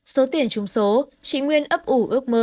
số tiền trúng số chị nguyên ấp ủ ước mơ